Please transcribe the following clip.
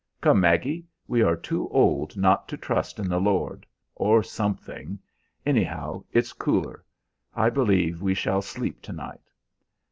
"Come, Maggie, we are too old not to trust in the Lord or something. Anyhow, it's cooler. I believe we shall sleep to night."